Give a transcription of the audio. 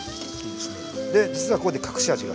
で実はここで隠し味があります。